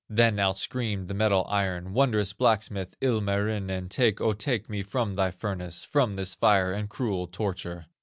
Then out screamed the metal, Iron: 'Wondrous blacksmith, Ilmarinen, Take, O take me from thy furnace, From this fire and cruel torture.